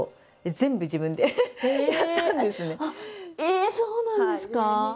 ええそうなんですか！